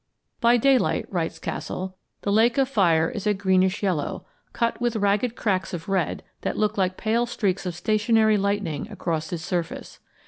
"By daylight," writes Castle, "the lake of fire is a greenish yellow, cut with ragged cracks of red that look like pale streaks of stationary lightning across its surface.